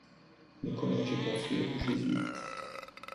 Le collège est confié aux jésuites.